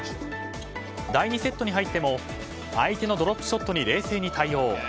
第２セットに入っても相手のドロップショットに冷静に対応。